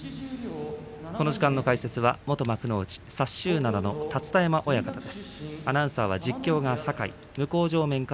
この時間の解説は元幕内薩洲洋の、立田山親方です。